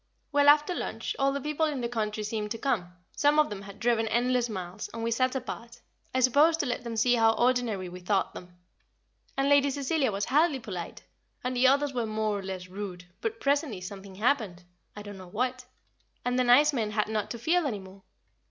Well, after lunch, all the people in the county seemed to come; some of them had driven endless miles, and we sat apart, I suppose to let them see how ordinary we thought them; and Lady Cecilia was hardly polite, and the others were more or less rude; but presently something happened I don't know what and the nice men had not to field any more.